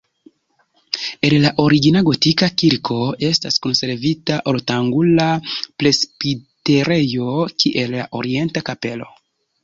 El la origina gotika kirko estas konservita ortangula presbiterejo kiel la orienta kapelo.